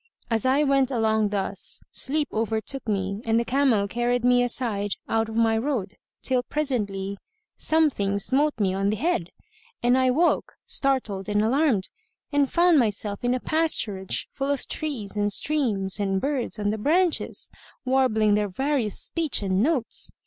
As I went along thus, sleep overtook me and the camel carried me aside out of my road, till, presently, something[FN#130] smote me on the head, and I woke, startled and alarmed, and found myself in a pasturage full of trees and streams and birds on the branches, warbling their various speech and notes.